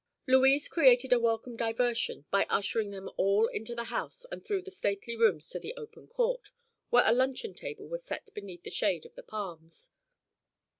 Louise created a welcome diversion by ushering them all into the house and through the stately rooms to the open court, where a luncheon table was set beneath the shade of the palms.